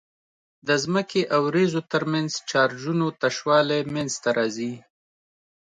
د ځمکې او وريځو ترمنځ چارجونو تشوالی منځته راځي.